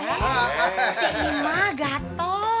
si ima gak tau